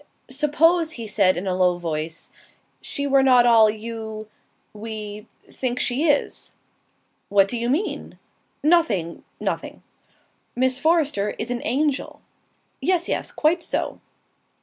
"Suppose," he said in a low voice, "she were not all you we think she is!" "What do you mean?" "Nothing, nothing." "Miss Forrester is an angel." "Yes, yes. Quite so."